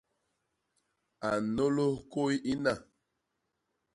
A nnôlôs kôy ina.